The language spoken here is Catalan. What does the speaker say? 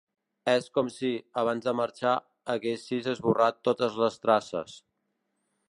És com si, abans de marxar, haguessis esborrat totes les traces.